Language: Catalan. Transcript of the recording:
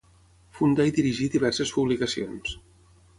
Fundà i dirigí diverses publicacions.